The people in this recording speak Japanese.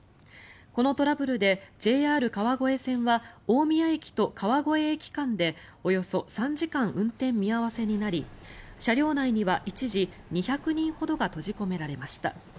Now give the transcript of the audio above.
このトラブルでＪＲ川越線は大宮駅と川越駅間でおよそ３時間運転見合わせになり車両内には一時２００人ほどが閉じ込められました。